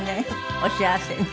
お幸せに。